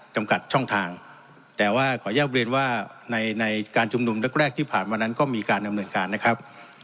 จำกัดช่องทางแต่ว่าขออนุญาตเรียนว่าในในการชุมนุมแรกแรกที่ผ่านมานั้นก็มีการดำเนินการนะครับ